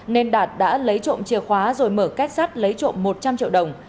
nên đạt đã lấy trộm chìa khóa rồi mở kết sắt lấy trộm một trăm linh triệu đồng